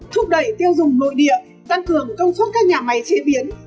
thúc đẩy tiêu dùng nội địa tăng cường công suất các nhà máy chế biến